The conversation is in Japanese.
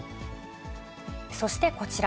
そしてこちら。